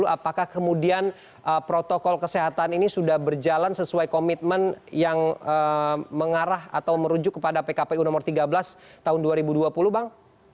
apakah kemudian protokol kesehatan ini sudah berjalan sesuai komitmen yang mengarah atau merujuk kepada pkpu nomor tiga belas tahun dua ribu dua puluh bang